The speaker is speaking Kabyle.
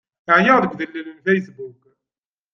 Ɛyiɣ deg udellel n Facebook.